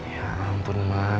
ya ampun mah